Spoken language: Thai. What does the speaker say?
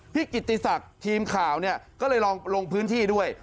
กิติศักดิ์ทีมข่าวเนี่ยก็เลยลองลงพื้นที่ด้วย